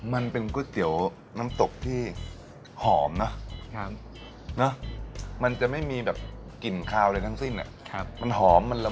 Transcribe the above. แต่สิ่งสำคัญที่จะเติมเต็มรสชาติกุ้ยเตี๋ยวน้ำตกให้อร่อยครบสูตรนั้นก็ต้องเป็นที่น้ำซุปค่ะ